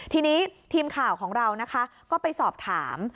ทีนี้ทีมข่าวของเรานะคะก็ไปสอบถาม